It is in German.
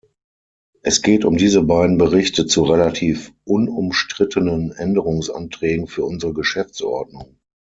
Es geht um diese beiden Berichte zu relativ unumstrittenen Änderungsanträgen für unsere Geschäftsordnung.